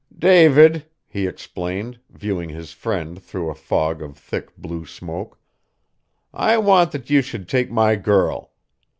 "David," he explained, viewing his friend through a fog of thick, blue smoke, "I want that ye should take my girl!